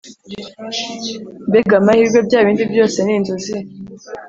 mbega amahirwe, bya bindi byose ni inzozi!